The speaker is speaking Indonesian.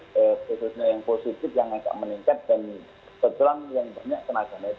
jadi fasilitasnya yang positif yang agak meningkat dan kejelang yang banyak tenaga medis